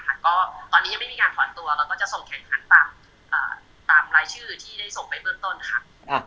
ก็ตอนนี้ยังไม่มีการถอนตัวแล้วก็จะส่งแข่งขันตามรายชื่อที่ได้ส่งไปเบื้องต้นค่ะ